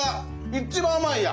一番甘いやん！